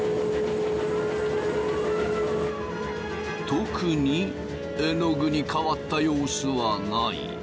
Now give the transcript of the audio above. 特にえのぐに変わった様子はない。